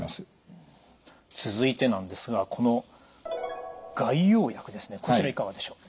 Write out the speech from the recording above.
続いてなんですがこの外用薬ですねこちらいかがでしょう？